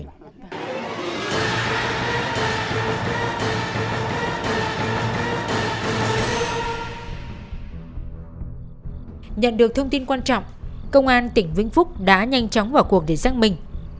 nhận được thông tin quan trọng công an tỉnh vĩnh phúc đã nhanh chóng vào cuộc để xác minh